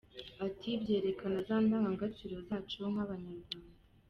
Ati “Byerekana za ndangagaciro zacu nk’Abanyarwanda”.